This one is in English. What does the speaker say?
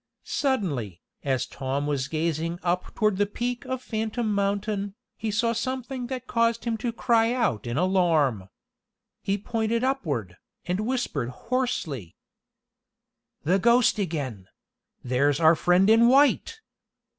Suddenly, as Tom was gazing up toward the peak of Phantom Mountain, he saw something that caused him to cry out in alarm. He pointed upward, and whispered hoarsely: "The ghost again! There's our friend in white!"